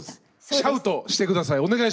シャウトして下さい。